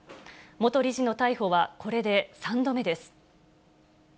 元理事の逮捕はこれで３度目です。